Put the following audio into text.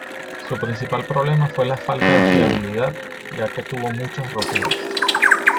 Su principal problema fue la falta de fiabilidad, ya que tuvo muchas roturas.